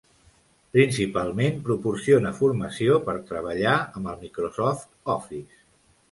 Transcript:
Principalment, proporciona formació per treballar amb el Microsoft Office.